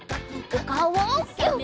おかおをギュッ！